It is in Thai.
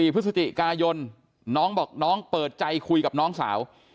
พฤศจิกายนน้องบอกน้องเปิดใจคุยกับน้องสาว